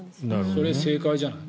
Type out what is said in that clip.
それ、正解じゃない？